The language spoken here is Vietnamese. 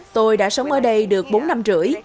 tôi đã sống ở đây được bốn năm rưỡi